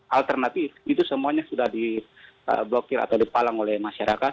alternatif itu semuanya sudah diblokir atau dipalang oleh masyarakat